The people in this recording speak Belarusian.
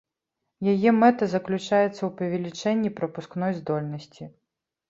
Яе мэта заключаецца ў павелічэнні прапускной здольнасці.